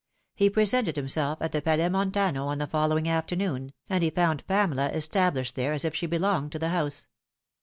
He presented himself at the Palais Montano on the following afternoon, and he found Pamela established there as if she belonged to the house.